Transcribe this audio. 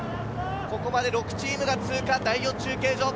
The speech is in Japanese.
ここまで６チームが通過、第４中継所。